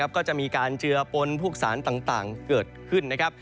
ก็จะมีการเจือปนพวกสารต่างเกิดขึ้นนะครับ